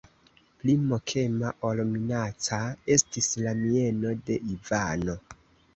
Pli mokema ol minaca estis la mieno de Ivano.